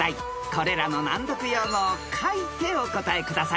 ［これらの難読用語を書いてお答えください］